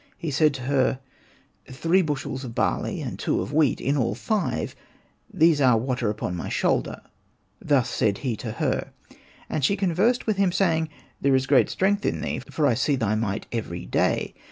" He said to her, *^ Three bushels of barley, and two of wheat, in all five ; these are w^hat are upon my shoulder :" thus said he to her. And she conversed with him, saying, " There is great strength in thee, for I see thy might every day."